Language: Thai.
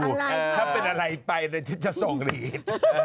ถ้าเป็นอะไรไปก็จ้าส่งลีต